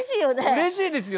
うれしいですよ。